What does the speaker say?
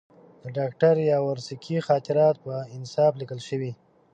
د ډاکټر یاورسکي خاطرات په انصاف لیکل شوي.